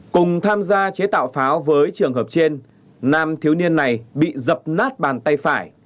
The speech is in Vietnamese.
cùng tham gia chế tạo pháo với trường hợp trên nam thiếu niên này bị dập nát bàn tay phải